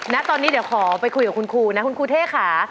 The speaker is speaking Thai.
ณตอนนี้เดี๋ยวขอไปคุยกับคุณครูนะคุณครูเท่ค่ะ